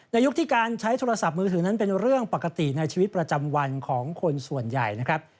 ยุคที่การใช้โทรศัพท์มือถือนั้นเป็นเรื่องปกติในชีวิตประจำวันของคนส่วนใหญ่นะครับ